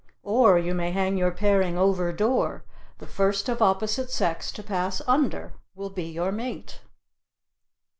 Or, you may hang your paring over door the first of opposite sex to pass under will be your mate.